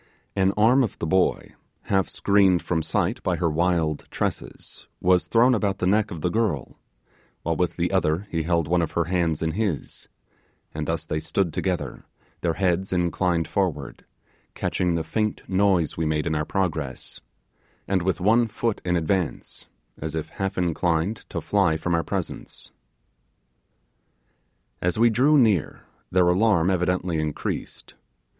An arm of the boy, half screened from sight by her wild tresses, was thrown about the neck of the girl, while with the other he held one of her hands in his; and thus they stood together, their heads inclined forward, catching the faint noise we made in our progress, and with one foot in advance, as if half inclined to fly from our presence. As we drew near, their alarm evidently increased.